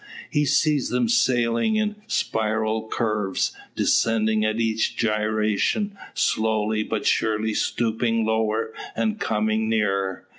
He sees them sailing in spiral curves, descending at each gyration, slowly but surely stooping lower, and coming nearer.